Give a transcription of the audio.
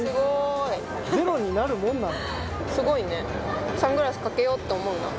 すごいね。